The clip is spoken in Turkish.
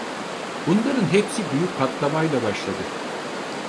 Bunların hepsi büyük patlamayla başladı!